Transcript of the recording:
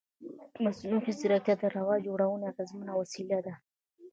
مصنوعي ځیرکتیا د روایت جوړونې اغېزمنه وسیله ده.